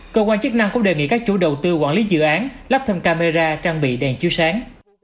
cơ quan chức năng cũng đề nghị các chủ đầu tư quản lý dự án lắp thêm camera trang bị đèn chiếu sáng